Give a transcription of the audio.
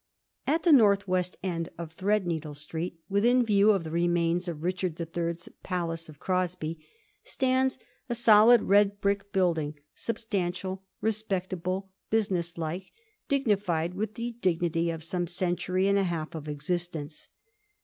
At the north west end of Threadneedle Street, within view of the remains of Richard the Third's Palace of Crosby, stands a solid red brick building, substantial, respectable, business like, dignified with the dignity of some century and a half of existence.